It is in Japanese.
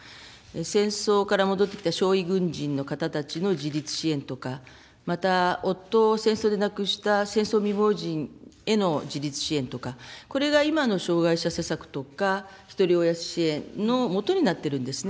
戦争から戻ってきた傷痍軍人の方たちの自立支援とか、また夫を戦争で亡くした戦争未亡人への自立支援とか、これが今の障害者施策とか、ひとり親支援のもとになっているんですね。